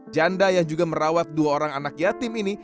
janda yang juga merawat dua orang anak yatim ini